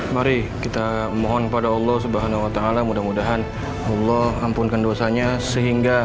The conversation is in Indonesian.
mari kita mohon pada allah swt mudah mudahan allah ampunkan dosanya sehingga